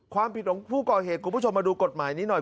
ความผิดของผู้ก่อเหตุคุณผู้ชมมาดูกฎหมายนี้หน่อย